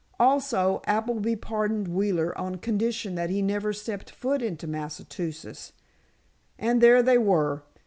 Also, Appleby pardoned Wheeler on condition that he never stepped foot into Massachusetts. And there they were.